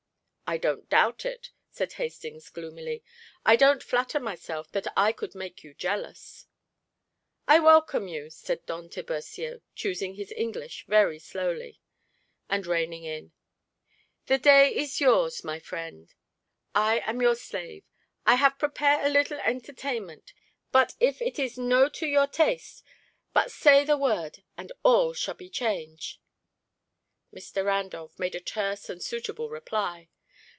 "I don't doubt it," said Hastings, gloomily. "I don't flatter myself that I could make you jealous." "I welcome you," said Don Tiburcio, choosing his English very slowly, and reining in. "The day ees yours, my friends. I am your slave. I have prepare a little entertainment, but if it no is to your taste, but say the word, and all shall be change." Mr. Randolph made a terse and suitable reply.